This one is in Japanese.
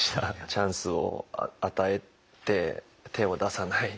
チャンスを与えて手を出さない。